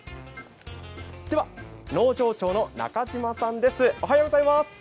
農場長の中島さんです。